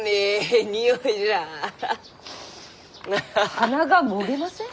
鼻がもげません？